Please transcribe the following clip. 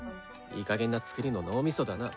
いいかげんな作りの脳みそだな。